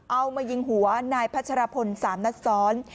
เอามายิงหัวนายพัชรพล๓นัดซ้อน